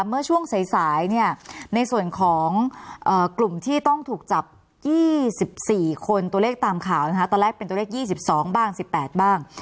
เมื่อช่วงสายเนี่ยในส่วนของกลุ่มที่ต้องถูกจับ๒๔คนตัวเลขตามข่าวนะคะตอนแรกเป็นตัวเลข๒๒บ้าง๑๘บ้าง